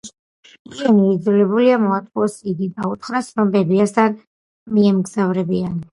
იენი იძულებულია, მოატყუოს იგი და უთხრას, რომ ბებიასთან მიემგზავრებიან.